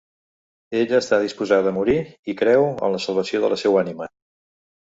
Ella està disposada a morir i creu en la salvació de la seua ànima.